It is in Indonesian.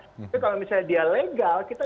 tapi kalau misalnya dia legal kita